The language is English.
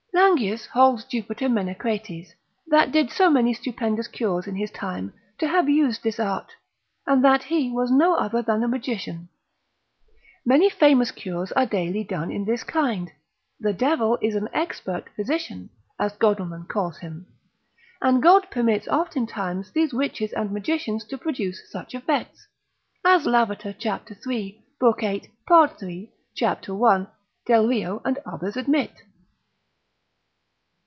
Langius in his med. epist. holds Jupiter Menecrates, that did so many stupendous cures in his time, to have used this art, and that he was no other than a magician. Many famous cures are daily done in this kind, the devil is an expert physician, as Godelman calls him, lib. 1. cap. 18. and God permits oftentimes these witches and magicians to produce such effects, as Lavater cap. 3. lib. 8. part. 3. cap. 1. Polid. Virg. lib. 1. de prodigiis, Delrio and others admit.